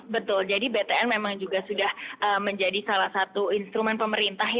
betul jadi btn memang juga sudah menjadi salah satu instrumen pemerintah